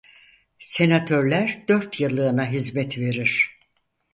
Senatörler dört yıllığına hizmet verir.